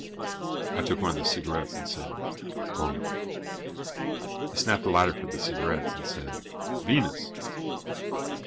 I took one of his cigarettes and said: "Oh." He snapped a lighter for the cigarettes and said: "Venus."